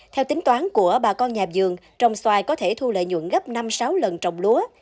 theo tính toán của bà con nhà vườn trồng xoài có thể thu lợi nhuận gấp năm sáu lần trồng lúa